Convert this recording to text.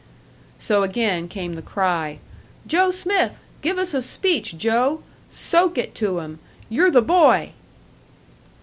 So again came the cry, "Joe Smith! Give us a speech, Joe! Soak it to 'em! You're the boy!"